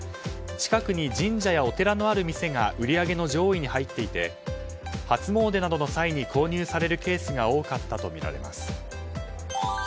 近くに神社やお寺のある店が売り上げの上位に入っていて初詣などの際に購入されるケースが多かったとみられます。